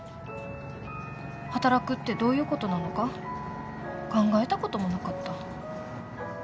働くってどういうことなのか考えたこともなかった。